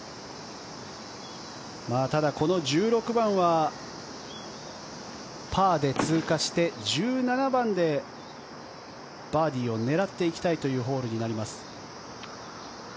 ただ、この１６番はパーで通過して１７番でバーディーを狙っていきたいというホールになります。